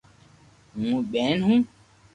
ھو ٻين ھون